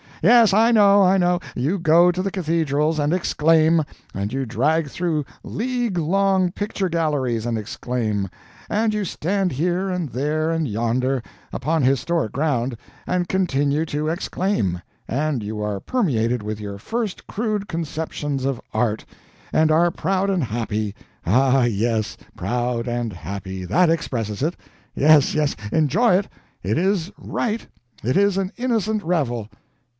Yes, I know, I know; you go to cathedrals, and exclaim; and you drag through league long picture galleries and exclaim; and you stand here, and there, and yonder, upon historic ground, and continue to exclaim; and you are permeated with your first crude conceptions of Art, and are proud and happy. Ah, yes, proud and happy that expresses it. Yes yes, enjoy it it is right it is an innocent revel.